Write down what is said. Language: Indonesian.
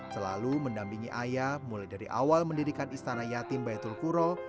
selalu mendampingi ayah mulai dari awal mendirikan istana yatim baitul kuro